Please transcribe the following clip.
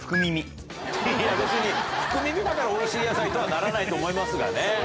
いや別に福耳だからおいしい野菜とはならないと思いますがね。